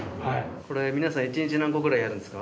皆さん１日何個くらいやるんですか？